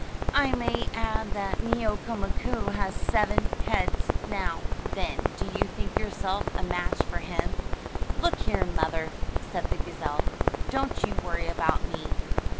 I may add that Neeoka Mkoo has seven heads. Now, then, do you think yourself a match for him?" "Look here, mother," said the gazelle, "don't you worry about me.